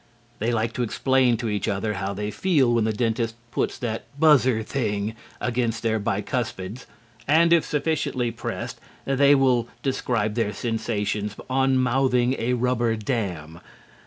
They like to explain to each other how they feel when the dentist puts "that buzzer thing" against their bicuspids, and, if sufficiently pressed, they will describe their sensations on mouthing a rubber dam.